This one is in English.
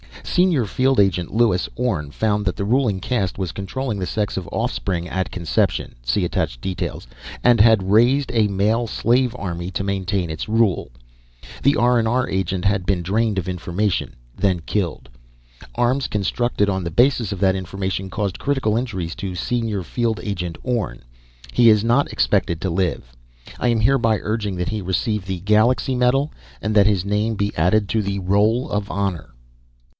Senior Field Agent Lewis Orne found that the ruling caste was controlling the sex of offspring at conception (see attached details), and had raised a male slave army to maintain its rule. The R&R agent had been drained of information, then killed. Arms constructed on the basis of that information caused critical injuries to Senior Field Agent Orne. He is not expected to live. I am hereby urging that he receive the Galaxy Medal, and that his name be added to the Roll of Honor."